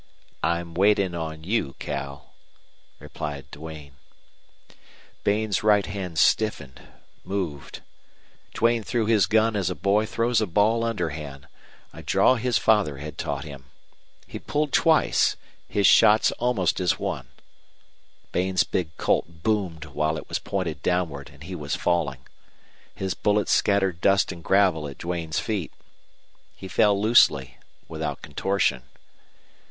"I'm waitin' on you, Cal," replied Duane. Bain's right hand stiffened moved. Duane threw his gun as a boy throws a ball underhand a draw his father had taught him. He pulled twice, his shots almost as one. Bain's big Colt boomed while it was pointed downward and he was falling. His bullet scattered dust and gravel at Duane's feet. He fell loosely, without contortion.